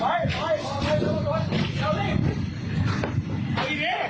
อ่าอ